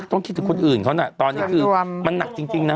ต้องคิดถึงคนอื่นเขานะตอนนี้คือมันหนักจริงนะ